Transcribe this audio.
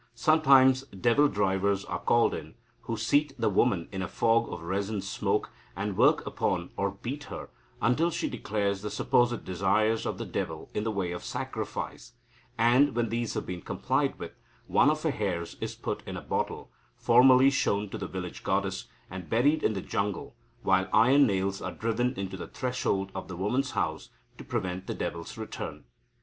Sometimes, devil drivers are called in, who "seat the woman in a fog of resin smoke, and work upon or beat her until she declares the supposed desires of the devil in the way of sacrifice; and, when these have been complied with, one of her hairs is put in a bottle, formally shown to the village goddess, and buried in the jungle, while iron nails are driven into the threshold of the woman's house to prevent the devil's return."